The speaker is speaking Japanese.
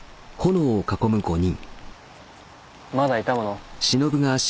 まだ痛むの？